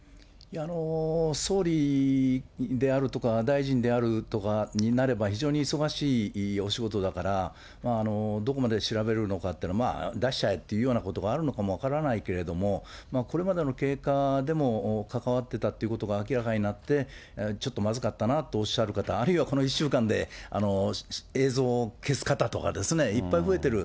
総理であるとか、大臣であるとかになれば非常に忙しいお仕事だから、どこまで調べるのかっていうのは、出しちゃえということがあるのかも分からないけれども、これまでの経過でも関わってたっていうことが明らかになって、ちょっとまずかったなとおっしゃる方、あるいはこの１週間で映像を消す方とかですね、いっぱい増えてる。